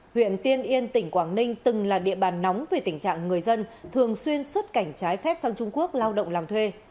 huyện tiên yên tỉnh quảng ninh từng là địa bàn nóng về tình trạng người dân thường xuyên xuất cảnh trái phép sang trung quốc lao động làm thuê